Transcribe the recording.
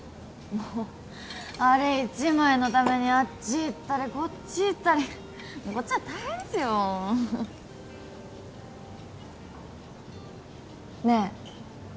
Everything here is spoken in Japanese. もうあれ１枚のためにあっち行ったりこっち行ったりこっちは大変ですよねえ